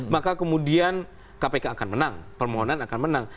maka kemudian kpk akan menang permohonan akan menang